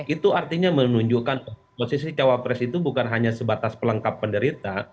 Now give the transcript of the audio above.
itu artinya menunjukkan posisi cawapres itu bukan hanya sebatas pelengkap penderita